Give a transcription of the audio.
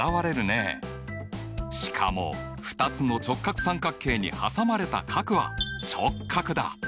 しかも２つの直角三角形に挟まれた角は直角だ。